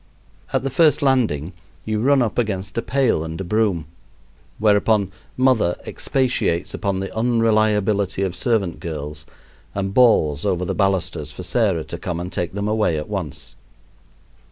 At the first landing you run up against a pail and a broom, whereupon "mother" expatiates upon the unreliability of servant girls, and bawls over the balusters for Sarah to come and take them away at once.